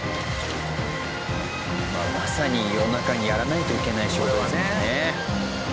まあまさに夜中にやらないといけない仕事ですもんね。